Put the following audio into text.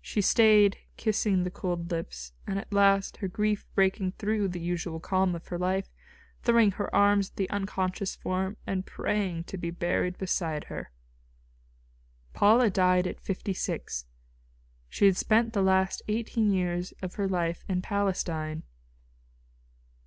She stayed kissing the cold lips, and at last, her grief breaking through the usual calm of her life, throwing her arms about the unconscious form and praying to be buried beside her. Paula died at fifty six. She had spent the last eighteen years of her life in Palestine.